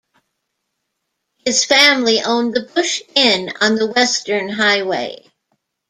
His family owned the Bush Inn on the Western Highway.